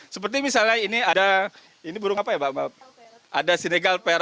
seperti misalnya ini ada ini burung apa ya pak